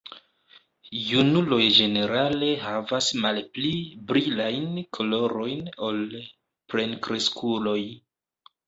Junuloj ĝenerale havas malpli brilajn kolorojn ol plenkreskuloj.